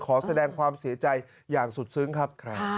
ขอแสดงความเสียใจอย่างสุดซึ้งครับ